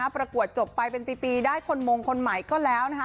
ประกวดจบไปเป็นปีได้คนมงคนใหม่ก็แล้วนะคะ